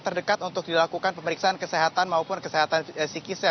terdekat untuk dilakukan pemeriksaan kesehatan maupun kesehatan psikisnya